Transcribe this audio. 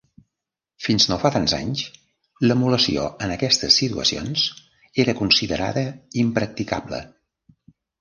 Fins no fa tants anys, l'emulació en aquestes situacions era considerada impracticable.